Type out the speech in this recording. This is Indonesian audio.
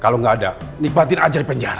kalau nggak ada nikmatin aja di penjara